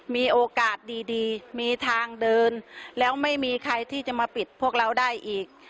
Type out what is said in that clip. มีโอกาสดีมีทางเดินแล้วไม่มีใครที่จะมาปิดพวกเราได้อีก